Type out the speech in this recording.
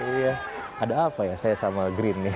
iya ada apa ya saya sama green nih